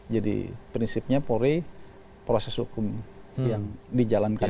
jadi prinsipnya polri proses hukum yang dijalankan